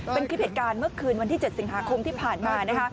เป็นคลิปเหตุการณ์เมื่อคืนวันที่๗สิงหาคมที่ผ่านมานะคะ